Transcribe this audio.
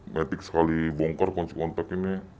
matic sekali bongkar kunci kontak ini